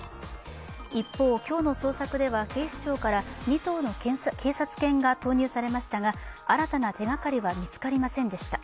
一方、今日の捜索では警視庁から２頭の警察犬が投入されましたが、新たな手がかりは見つかりませんでした。